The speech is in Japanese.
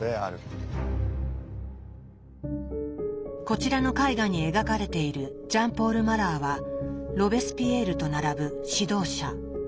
こちらの絵画に描かれているジャン・ポール・マラーはロベスピエールと並ぶ指導者。